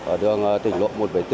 ở đường tỉnh lộ một